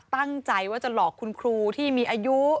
ตั้งใจว่าจะหลอกคุณครูที่มีอายุ